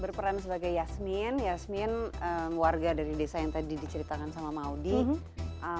berperan sebagai yasmin yasmin warga dari desa yang tadi diceritakan sama maudie